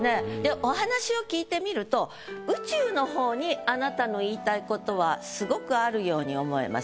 お話を聞いてみると宇宙のほうにあなたの言いたいことはすごくあるように思えます。